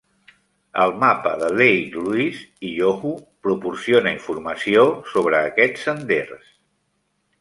El mapa de Lake Louise i Yoho proporciona informació sobre aquests senders.